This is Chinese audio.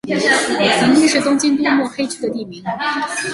平町是东京都目黑区的地名。